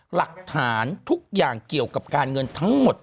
หลักฐานทุกอย่างเกี่ยวกับการเงินทั้งหมด